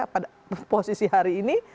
pada posisi hari ini